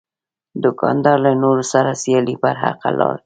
دوکاندار له نورو سره سیالي پر حقه لار کوي.